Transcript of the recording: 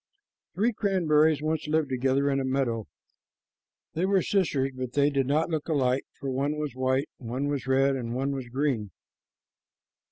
Three cranberries once lived together in a meadow. They were sisters, but they did not look alike, for one was white, and one was red, and one was green.